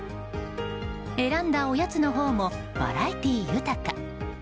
選んだおやつのほうもバラエティー豊か。